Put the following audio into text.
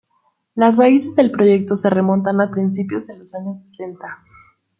Las raíces del proyecto se remontan a principios de los años sesenta.